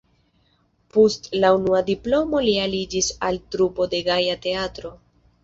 Post la unua diplomo li aliĝis al trupo de Gaja Teatro.